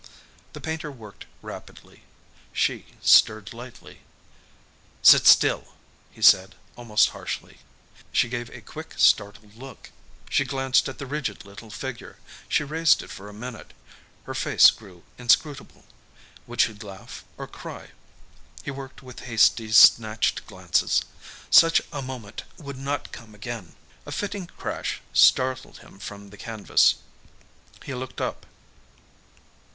The painter worked rapidly. She stirred slightly. "Sit still," he said, almost harshly. She gave a quick, startled look. She glanced at the rigid little figure. She raised it for a minute. Her face grew inscrutable. Would she laugh or cry? He worked with hasty, snatched glances. Such a moment would not come again. A flitting crash startled him from the canvas. He looked up.